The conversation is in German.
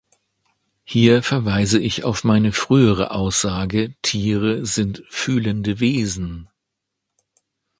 Hier verweise ich auf meine frühere Aussage Tiere sind fühlende Wesen.